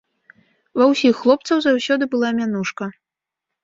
Ва ўсіх хлопцаў заўсёды была мянушка.